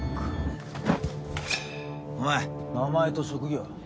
おい名前と職業。